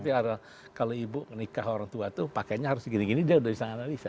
seperti kalau ibu nikah orang tua tuh pakenya harus gini gini dia udah bisa nganalisa